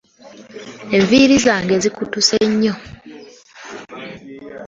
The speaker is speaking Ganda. .Enviri zange zikutuse nyo.